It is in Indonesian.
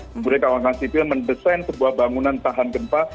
kemudian kawan kawan sipil mendesain sebuah bangunan tahan gempa